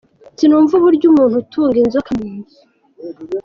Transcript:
Sinumva uburyo umuntu atunga inzoka mu nzu.